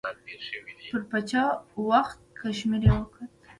پر پچه وخوت، کشمیر یې وکوت.